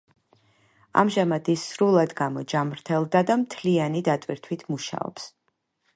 ამჟამად ის სრულად გამოჯამრთელდა და მთლიანი დატვირთვით მუშაობს.